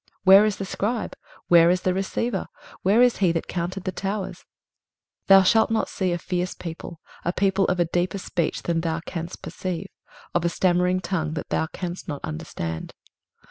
Where is the scribe? where is the receiver? where is he that counted the towers? 23:033:019 Thou shalt not see a fierce people, a people of a deeper speech than thou canst perceive; of a stammering tongue, that thou canst not understand.